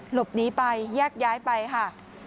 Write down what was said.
หลบหนีไปแยกย้ายไปค่ะ